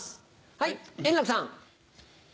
はい円楽さん。